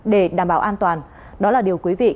để đảm bảo an toàn đó là điều quý vị